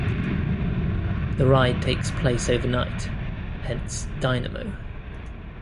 The ride takes place overnight, hence "Dynamo".